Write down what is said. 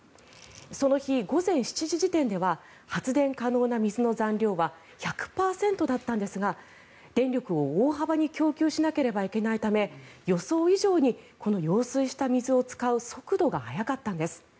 その日、午前７時時点では発電可能な水の残量は１００％だったんですが電力を大幅に供給しなければいけないため予想以上にこの揚水した水を使う速度が速かったんです。